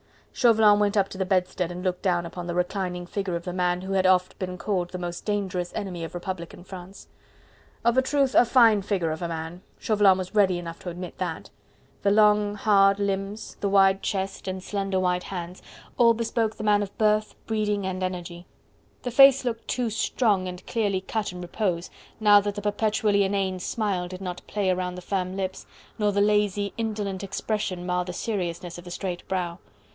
Chauvelin went up to the bedstead and looked down upon the reclining figure of the man who had oft been called the most dangerous enemy of Republican France. Of a truth, a fine figure of a man, Chauvelin was ready enough to admit that; the long, hard limbs, the wide chest, and slender, white hands, all bespoke the man of birth, breeding and energy: the face too looked strong and clearly cut in repose, now that the perpetually inane smile did not play round the firm lips, nor the lazy, indolent expression mar the seriousness of the straight brow.